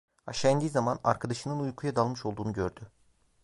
Aşağı indiği zaman arkadaşının uykuya dalmış olduğunu gördü.